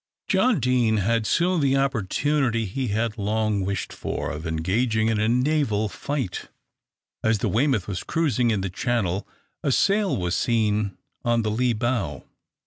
John Deane had soon the opportunity he had long wished for, of engaging in a naval fight. As the "Weymouth" was cruising in the Channel, a sail was seen on the lee bow.